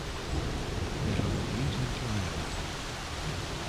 Berran por eles dentro da néboa.